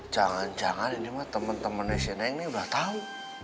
jangan jangan ini mah temen temen si neng ini udah tau